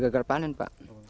gagal panen pak